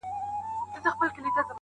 خو په لفظونو کې یې بیان نه شي